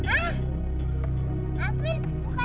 hah alvin bukan sih kau robot jahat